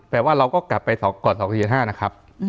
แต่ว่าเราก็กลับไปก่อน๒๔๕นะครับ